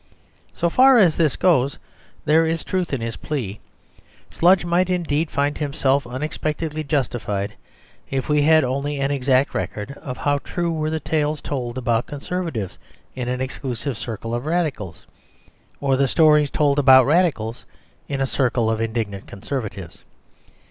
So far as this goes, there is truth in his plea. Sludge might indeed find himself unexpectedly justified if we had only an exact record of how true were the tales told about Conservatives in an exclusive circle of Radicals, or the stories told about Radicals in a circle of indignant Conservatives.